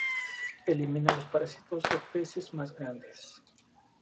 Elimina los parásitos de peces más grandes.